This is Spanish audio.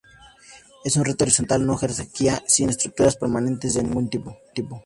Es una red horizontal, no jerárquica, sin estructuras permanentes de ningún tipo.